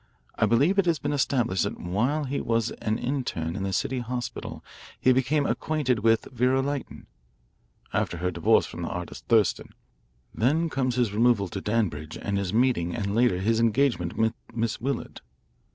I believe it has been established that while he was an interne in a city hospital he became acquainted with Vera Lytton, after her divorce from that artist Thurston. Then comes his removal to Danbridge and his meeting and later his engagement with Miss Willard.